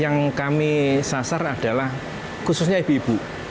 yang kami sasar adalah khususnya ibu ibu